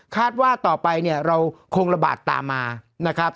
ว่าต่อไปเนี่ยเราคงระบาดตามมานะครับ